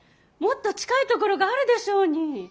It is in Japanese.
もっと近い所があるでしょうに。